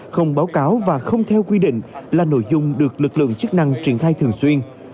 không báo cáo và không theo quy định là nội dung được lực lượng chức năng triển khai thường xuyên